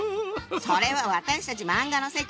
それは私たち漫画の世界！